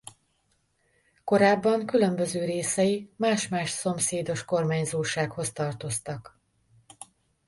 Korábban különböző részei más-más szomszédos kormányzósághoz tartoztak.